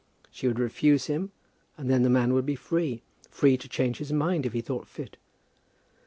She would refuse him, and then the man would be free; free to change his mind if he thought fit.